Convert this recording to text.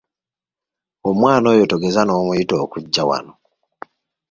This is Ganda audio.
Omwana oyo togeza n’omuyita okujja wano!